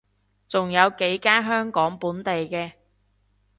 仲有幾間香港本地嘅